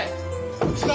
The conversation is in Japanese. こっちか？